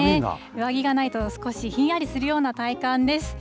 上着がないと少しひんやりするような体感です。